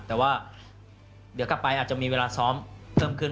แต่ว่าเดี๋ยวกลับไปอาจจะมีเวลาซ้อมเพิ่มขึ้น